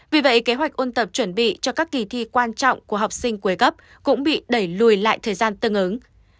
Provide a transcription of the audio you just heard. vì vậy kế hoạch ôn tập chuẩn bị cho các kỳ thi quan trọng của học sinh cuối gấp cũng bị đẩy lùi lại thời gian tương ứng